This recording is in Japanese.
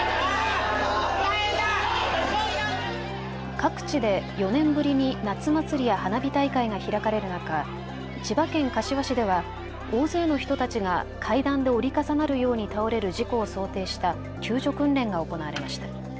各地で４年ぶりに夏祭りや花火大会が開かれる中、千葉県柏市では大勢の人たちが階段で折り重なるように倒れる事故を想定した救助訓練が行われました。